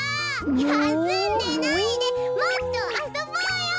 やすんでないでもっとあそぼうよ！